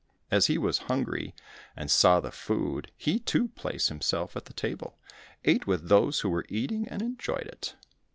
As he was hungry, and saw the food, he, too, place himself at the table, ate with those who were eating and enjoyed it.